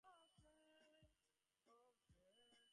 ঘরে পয়সা আছে লোকটার, মেয়ে সুখে থাকবে।